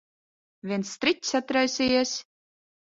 Viens striķis atraisījies.